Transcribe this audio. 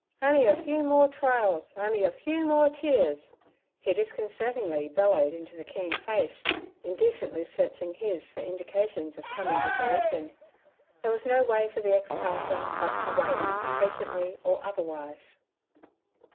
'On'y a few mo er tri uls, on'y a few mo er tee urs' he disconcertingly bellowed into the keen face, indecently searching his for indications of coming dissolution. There was no way for the ex parson, but to wait, patiently or otherwise.